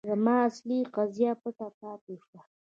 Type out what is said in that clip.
زما اصلي قضیه پټه پاتې شوه.